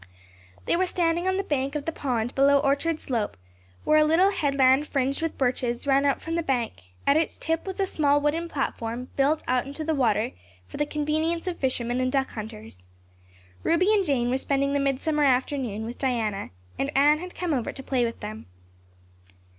They were standing on the bank of the pond, below Orchard Slope, where a little headland fringed with birches ran out from the bank; at its tip was a small wooden platform built out into the water for the convenience of fishermen and duck hunters. Ruby and Jane were spending the midsummer afternoon with Diana, and Anne had come over to play with them.